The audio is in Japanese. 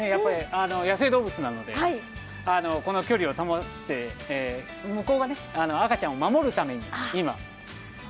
野生動物なので、この距離を保って、向こうは、赤ちゃんを守るために今。